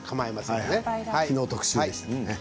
昨日、特集でした。